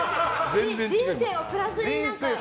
人生をプラスに。